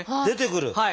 出てくる！